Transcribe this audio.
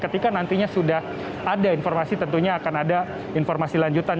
ketika nantinya sudah ada informasi tentunya akan ada informasi lanjutan